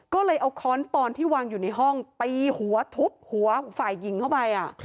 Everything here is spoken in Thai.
ก็เลยเอาค้อนปอนที่วางอยู่ในห้องตีหัวทุบหัวฝ่ายหญิงเข้าไป